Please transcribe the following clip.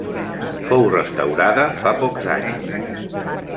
Fou restaurada fa pocs anys.